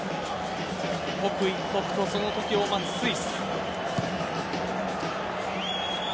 刻一刻とそのときを待つスイス。